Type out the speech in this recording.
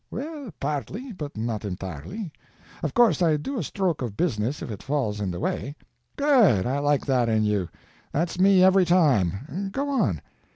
"Well, partly; but not entirely. Of course I do a stroke of business if it falls in the way—" "Good! I like that in you! That's me every time. Go on."